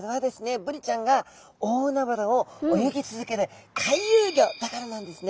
ブリちゃんが大海原を泳ぎ続ける回遊魚だからなんですね。